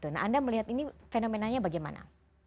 nah anda melihat ini fenomenanya bagaimana